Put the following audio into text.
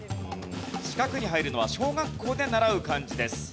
四角に入るのは小学校で習う漢字です。